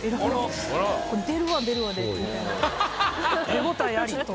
手応えありと。